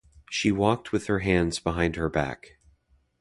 She walked with her hands behind her back.